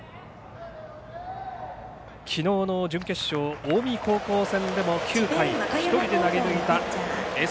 きのうの準決勝、近江高校戦でも９回、１人で投げ抜いたエース